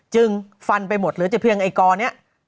จึงฟันไปหมดเหลือจะเพียงไอ้กอนี้